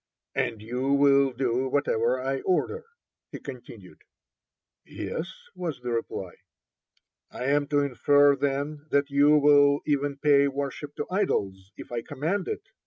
"And you will do whatever I order?" he continued. "Yes," was the reply. "I am to infer, then, that you will even pay worship to idols if I command it?"